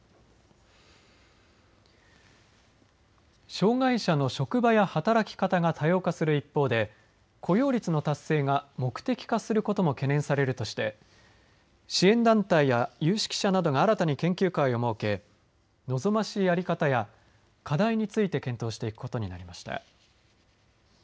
障害者の職場や働き方が多様化する一方で雇用率の達成が目的化することも懸念されるとして支援団体や有識者などが新たに研究会を設け望ましい在り方や課題について検討していくことになりました。